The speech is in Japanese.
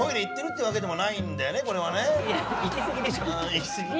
行き過ぎか。